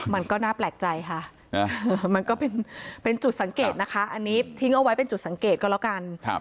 มันก็น่าแปลกใจค่ะมันก็เป็นจุดสังเกตนะคะอันนี้ทิ้งเอาไว้เป็นจุดสังเกตก็แล้วกัน